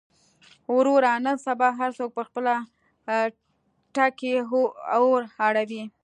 وروره نن سبا هر څوک پر خپله ټکۍ اور اړوي.